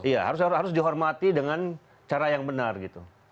iya harus dihormati dengan cara yang benar gitu